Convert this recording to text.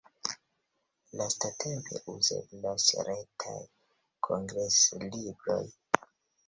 Lastatempe uzeblas retaj kongreslibroj.